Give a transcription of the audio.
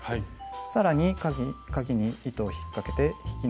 さらにかぎに糸を引っかけて引き抜きます。